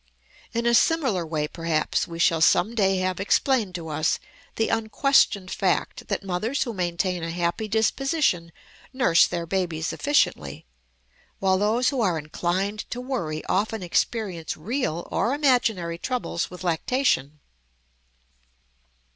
In a similar way, perhaps, we shall some day have explained to us the unquestioned fact that mothers who maintain a happy disposition nurse their babies efficiently, while those who are inclined to worry often experience real or imaginary troubles with lactation.